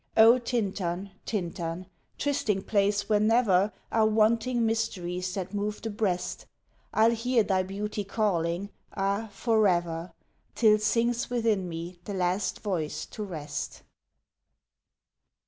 O Tintern, Tintern! trysting place, where never Are wanting mysteries that move the breast, I'll hear thy beauty calling, ah, for ever Till sinks within me the last voice to rest!